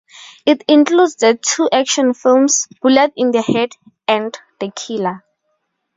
It includes the two action films "Bullet in the Head" and "The Killer".